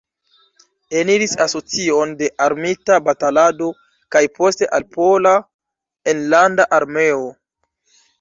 Eniris Asocion de Armita Batalado, kaj poste al Pola Enlanda Armeo.